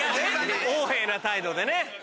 横柄な態度でね。